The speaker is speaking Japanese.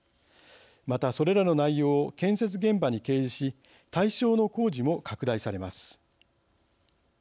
また、それらの内容を建設現場に掲示し対象の工事も拡大されます。